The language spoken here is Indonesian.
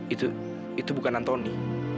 itu itu bukan antoni